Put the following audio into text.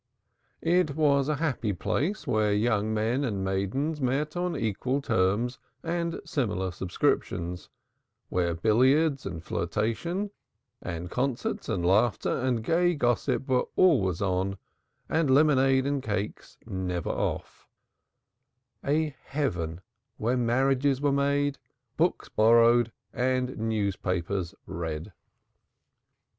It was a happy place where young men and maidens met on equal terms and similar subscriptions, where billiards and flirtations and concerts and laughter and gay gossip were always on, and lemonade and cakes never off; a heaven where marriages were made, books borrowed and newspapers read.